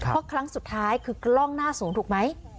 เพราะครั้งสุดท้ายคือกล้องหน้าศูนย์ถูกไหม